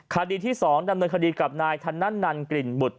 คดีที่๒ดำเนินคดีกับนายธนันนันกลิ่นบุตร